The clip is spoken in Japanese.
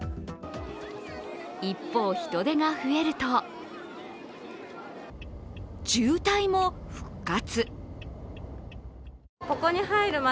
一方、人出が増えると渋滞も復活。